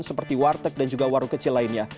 seperti warteg dan juga warung kecil lainnya